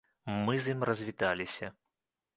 Мы з ім развіталіся.